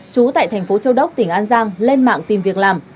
trú tại thành phố châu đốc tỉnh an giang lên mạng tìm việc làm